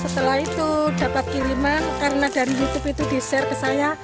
setelah itu dapat kiriman karena dari youtube itu di share ke saya